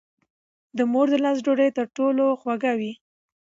د مور د لاس ډوډۍ تر ټولو خوږه وي.